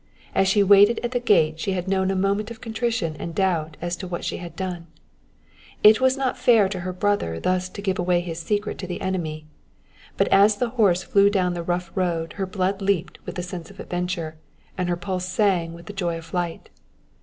As she waited at the gate she had known a moment of contrition and doubt as to what she had done. It was not fair to her brother thus to give away his secret to the enemy; but as the horse flew down the rough road her blood leaped with the sense of adventure, and her pulse sang with the joy of flight.